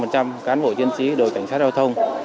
một trăm linh cán bộ chiến sĩ đối với cảnh sát giao thông